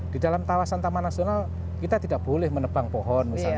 di dalam kawasan taman nasional kita tidak boleh menebang pohon